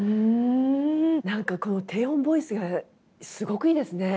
何かこの低音ボイスがすごくいいですね。